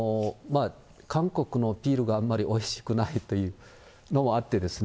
韓国のビールがあんまりおいしくないというのもあってですね。